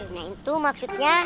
nah itu maksudnya